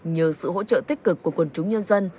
nhờ sự hỗ trợ tích cực của quần chúng nhân dân